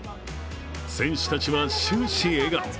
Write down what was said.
選手たちは終始笑顔。